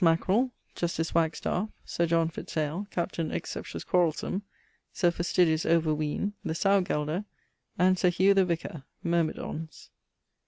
Maquerell, Justice Wagstaffe, Sir John Fitz ale, Captain Exceptious Quarrellsome, Sir Fastidious Overween, the sowgelder, and Sir Hugh the vicar, myrmidons.